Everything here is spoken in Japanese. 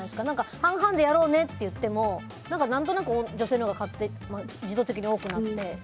半々でやろうねって言っても何となく女性のほうが自動的に多くなって。